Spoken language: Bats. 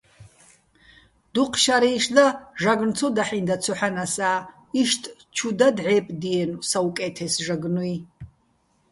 დუჴ შარი́შ და ჟაგნო̆ ცო დაჰ̦ინდა ცოჰ̦ანასა́, იშტ ჩუ და დჵე́პდიენო̆ საუკე́თესო ჟაგნუჲ.